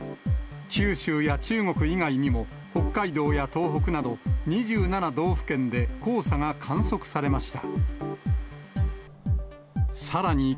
九州や中国以外にも、北海道や東北など２７道府県で黄砂が観測されました。